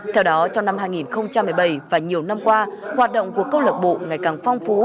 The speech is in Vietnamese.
theo đó trong năm hai nghìn một mươi bảy và nhiều năm qua hoạt động của câu lạc bộ ngày càng phong phú